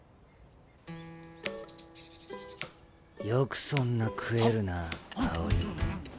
よくそんな食えるな青井。